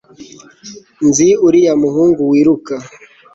nzi uriya muhungu wiruka